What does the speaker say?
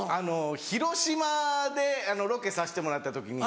広島でロケさせてもらった時に。